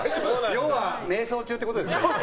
要は迷走中ってことですね。